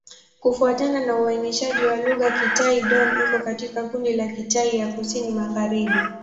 Kufuatana na uainishaji wa lugha, Kitai-Dón iko katika kundi la Kitai ya Kusini-Magharibi.